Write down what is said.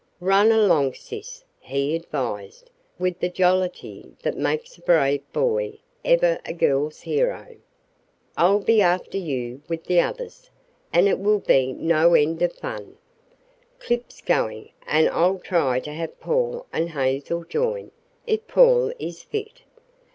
"Run along, sis," he advised, with the jollity that makes a brave boy ever a girl's hero. "I'll be after you with the others, and it will be no end of fun. Clip's going, and I'll try to have Paul and Hazel join if Paul is fit.